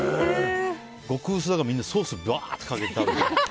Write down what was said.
極薄だから、みんなソース、びゃーってかけて食べて。